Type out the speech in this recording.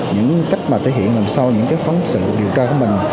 những cách mà thể hiện làm sao những cái phóng sự điều tra của mình